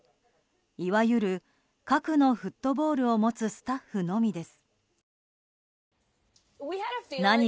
いわゆる核のフットボールを持つスタッフのみです。